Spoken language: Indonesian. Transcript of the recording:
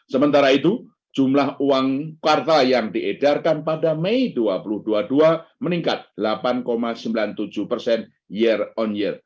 sementara itu jumlah uang kuartal yang diedarkan pada mei dua ribu dua puluh dua meningkat delapan sembilan puluh tujuh persen year on year